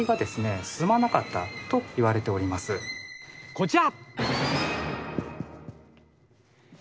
こちら！